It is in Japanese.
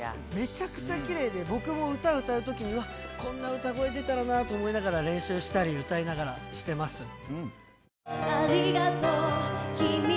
めちゃくちゃ奇麗で僕も歌歌うときにはこんな歌声出たらなと思いながら練習したり歌いながらしてます。